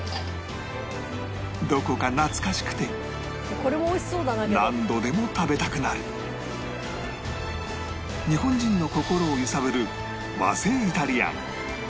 どこか懐かしくて何度でも食べたくなる日本人の心を揺さぶる和製イタリアン